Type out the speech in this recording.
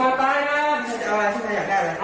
ครูกัดสบัติคร้าว